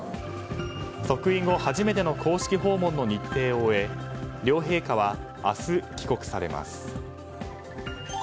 即位後初めての公式訪問の日程を終え両陛下は明日、帰国されます。